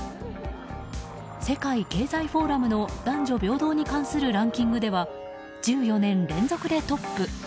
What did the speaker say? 世界経済フォーラムの男女平等に関するランキングでは１４年連続でトップ。